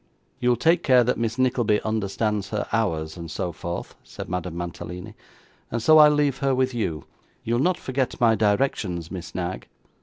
'You'll take care that Miss Nickleby understands her hours, and so forth,' said Madame Mantalini; 'and so I'll leave her with you. You'll not forget my directions, Miss Knag?